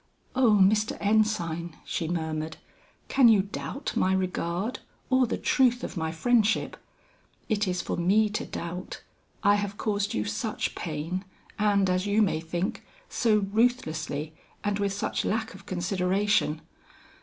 "Oh Mr. Ensign," she murmured, "can you doubt my regard or the truth of my friendship? It is for me to doubt; I have caused you such pain, and as you may think, so ruthlessly and with such lack of consideration.